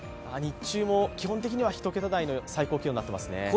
日中も基本的には１桁台の最高気温になっていますね。